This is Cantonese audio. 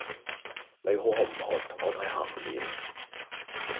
你好學唔學同我睇鹹片？